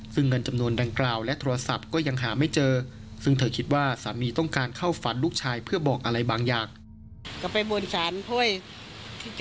ซึ่งเงินจำนวนดังกล่าวและโทรศัพท์ก็ยังหาไม่เจอซึ่งเธอคิดว่าสามีต้องการเข้าฝันลูกชายเพื่อบอกอะไรบางอย่าง